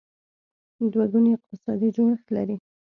دوه ګونی اقتصادي جوړښت لري.